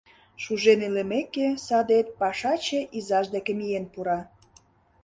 Шужен илымеке, садет пашаче изаж дек миен пура.